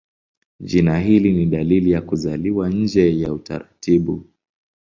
Jina hili ni dalili ya kuzaliwa nje ya utaratibu.